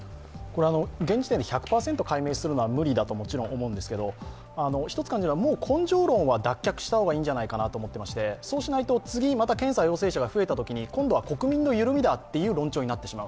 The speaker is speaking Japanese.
現時点で１００％解析するのは無理だと思うんですけどもう根性論は脱却した方がいいんじゃないかと思っていまして、そうしますと次、また検査陽性者が増えたときに今度は国民の緩みだという論調になってしまう。